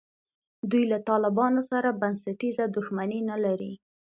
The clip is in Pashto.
دوی له طالبانو سره بنسټیزه دښمني نه لري.